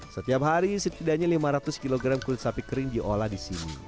setiap hari setidaknya lima ratus kg kulit sapi kering diolah di sini